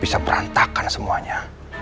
bisa berantakan semuanya